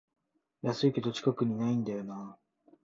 安いけど近くにないんだよなあ